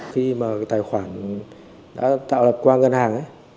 khi mà tài khoản đã tạo lập qua ngân hàng